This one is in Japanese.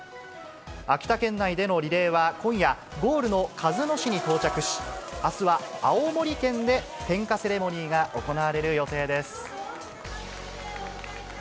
秋田県内でのリレーは今夜、ゴールの鹿角市に到着し、あすは青森県で点火セレモニーが行われる予定です。